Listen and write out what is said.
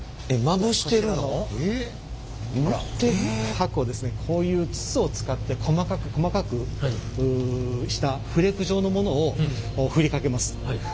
箔をこういう筒を使って細かく細かくしたフレーク状のものをふりかけます。